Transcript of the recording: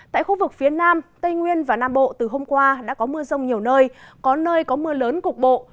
tại khu vực phía nam tây nguyên và nam bộ từ hôm qua đã có mưa rông nhiều nơi có nơi có mưa lớn cục bộ